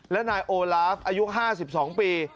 และนายโอลาฟอายุ๕๒ปี